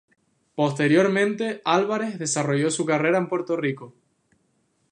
Posteriormente Álvarez desarrolló su carrera en Puerto Rico.